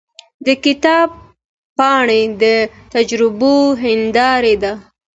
د کتاب پاڼې د تجربو هنداره ده.